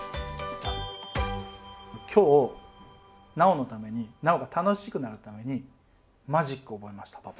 今日尚のために尚が楽しくなるためにマジックを覚えましたパパ。